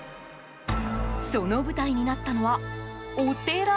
その舞台になったのは、お寺？